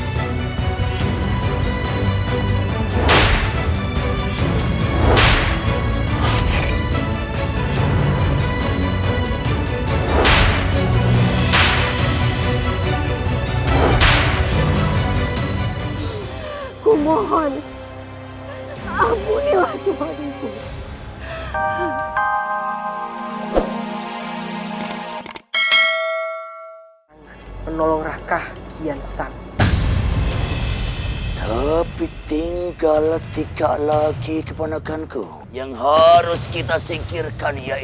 sampai jumpa di video selanjutnya